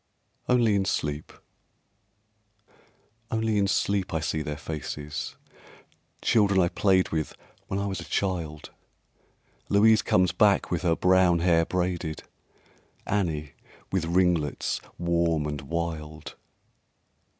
"Only in Sleep" Only in sleep I see their faces, Children I played with when I was a child, Louise comes back with her brown hair braided, Annie with ringlets warm and wild.